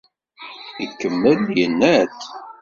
Ikemmel yenna-d.